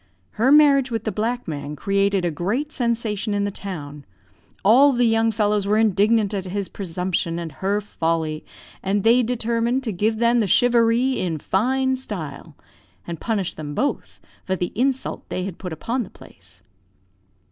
"Her marriage with the black man created a great sensation in the town. All the young fellows were indignant at his presumption and her folly, and they determined to give them the charivari in fine style, and punish them both for the insult they had put upon the place.